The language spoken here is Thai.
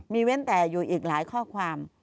มีเว้นแต่อยู่อีกหลายข้อความ